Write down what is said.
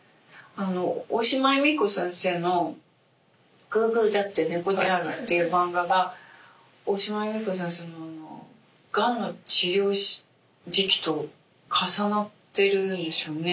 大島弓子先生の「グーグーだって猫である」っていう漫画が大島弓子先生のがんの治療時期と重なってるんですよね。